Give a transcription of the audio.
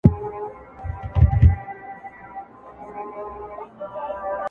چي نه عقل او نه زور د چا رسېږي؛